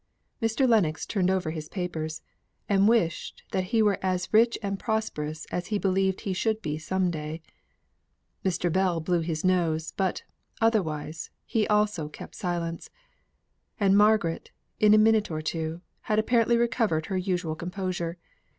Mr. Lennox turned over his papers, and wished that he were as rich and prosperous as he believed he should be some day. Mr. Bell blew his nose, but, otherwise, he also kept silence; and Margaret, in a minute or two, had apparently recovered her usual composure.